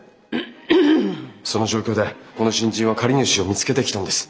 その状況でこの新人は借り主を見つけてきたんです。